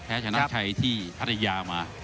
แพ้ชนะชัยที่ธรรยามา